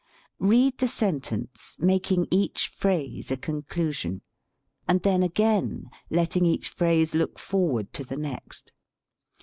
Read the sentence, making each phrase a conclusion, and then again letting each phrase look forward to the next.